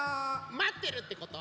まってるってこと？